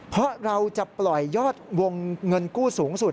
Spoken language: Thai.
เพราะเราจะปล่อยยอดวงเงินกู้สูงสุด